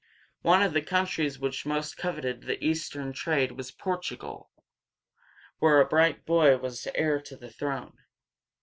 One of the countries which most coveted the Eastern trade was Por´tu gal, where a bright boy was heir to the throne.